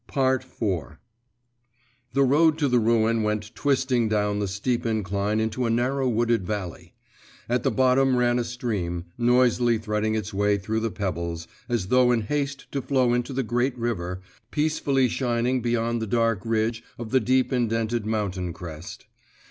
IV The road to the ruin went twisting down the steep incline into a narrow wooded valley; at the bottom ran a stream, noisily threading its way through the pebbles, as though in haste to flow into the great river, peacefully shining beyond the dark ridge of the deep indented mountain crest.